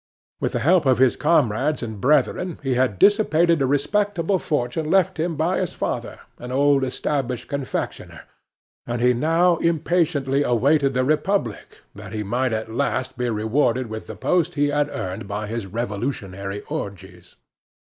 With the help of his comrades and brethren he had dissipated a respectable fortune left him by his father, an old established confectioner, and he now impatiently awaited the Republic, that he might at last be rewarded with the post he had earned by his revolutionary orgies.